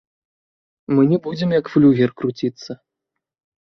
Мы не будзем як флюгер круціцца.